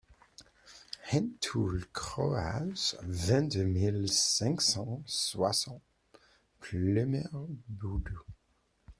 Hent Toull Kroaz, vingt-deux mille cinq cent soixante Pleumeur-Bodou